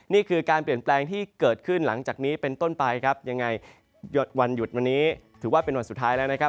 นี่คือการเปลี่ยนแปลงที่เกิดขึ้นหลังจากนี้เป็นต้นไปครับยังไงหยุดวันหยุดวันนี้ถือว่าเป็นวันสุดท้ายแล้วนะครับ